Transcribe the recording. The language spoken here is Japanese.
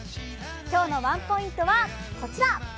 今日のワンポイントはこちら。